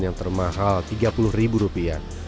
yang termahal tiga puluh ribu rupiah